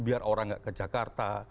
biar orang nggak ke jakarta